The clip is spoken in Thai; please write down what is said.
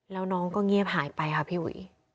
แล้วน้องก็เงียบหายไปค่ะพี่อุ๋ย